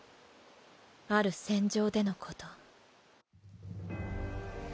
ある戦場でのこと。